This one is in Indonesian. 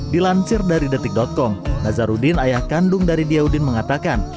dilansir dari detik com nazarudin ayah kandung dari diyaudin mengatakan